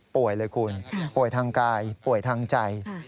เลยคุณป่วยทางกายป่วยทางใจ